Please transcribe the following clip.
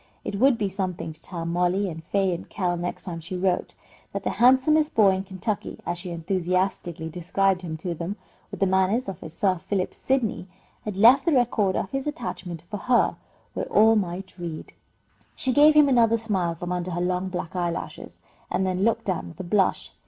It would be something to tell Mollie and Fay and Kell next time she wrote, that the handsomest boy in Kentucky (as she enthusiastically described him to them), with the manners of a Sir Philip Sidney, had left the record of his attachment for her where all might read. She gave him another smile from under her long black eyelashes, and then looked down with a blush.